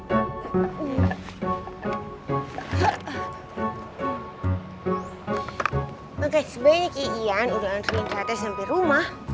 oke sebaiknya kayaknya ian udah ngantriin saatnya sampe rumah